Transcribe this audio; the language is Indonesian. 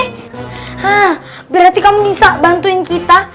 hah berarti kamu bisa bantuin kita